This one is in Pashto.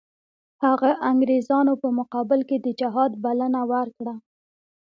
هغه انګریزانو په مقابل کې د جهاد بلنه ورکړه.